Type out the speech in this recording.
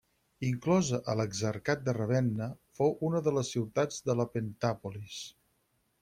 Inclosa a l'Exarcat de Ravenna, fou una de les ciutats de la Pentàpolis.